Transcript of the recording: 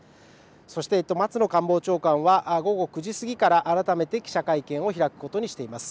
そして松野官房長官は午後９時過ぎから改めて記者会見を開くことにしています。